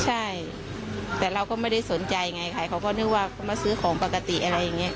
ใช่แต่เราก็ไม่ได้สนใจไงใครเขาก็นึกว่าเขามาซื้อของปกติอะไรอย่างนี้